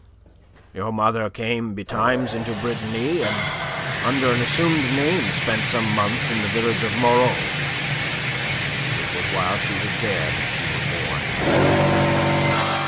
Your mother came betimes into Brittany, and under an assumed name spent some months in the village of Moreau. It was while she was there that you were born."